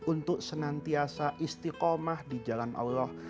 untuk senantiasa istiqomah di jalan allah